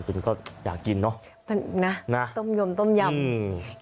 คุณก็อยากกินเนอะมันนะต้มยมต้มยำอืม